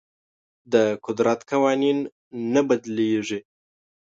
د قدرت قوانین نه بدلیږي.